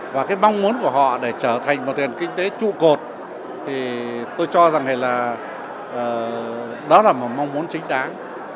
và cái mong muốn của họ để trở thành một nền kinh tế trụ cột thì tôi cho rằng là đó là một mong muốn chính đáng